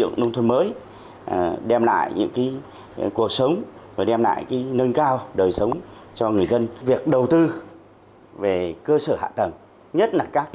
hà nội hà nội hà nội hà nội hà nội hà nội hà nội hà nội hà nội hà nội hà nội hà nội hà nội hà nội hà nội hà nội